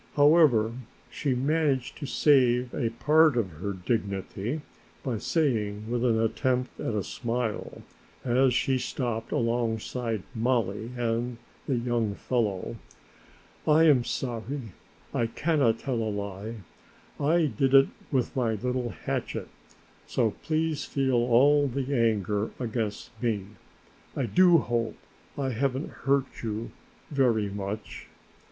However, she managed to save a part of her dignity by saying with an attempt at a smile, as she stopped alongside Mollie and the young fellow, "I am sorry, I cannot tell a lie, I did it with my little hatchet, so please feel all the anger against me. I do hope I haven't hurt you very much."